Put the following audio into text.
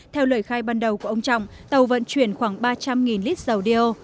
theo lời khai ban đầu của ông trọng tàu vận chuyển khoảng ba trăm linh lít dầu đeo